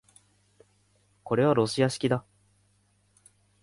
これはロシア式だ